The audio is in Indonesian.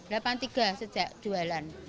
lapan tiga sejak jualan